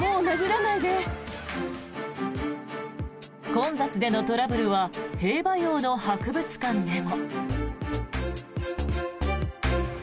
混雑でのトラブルは兵馬俑の博物館でも。